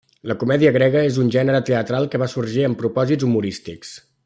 La comèdia grega és un gènere teatral que va sorgir amb propòsits humorístics.